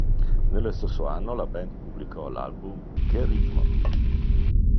Nello stesso anno la band pubblicò l'album "Che ritmo!